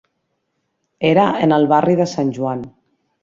Era en el barri de Sant Joan.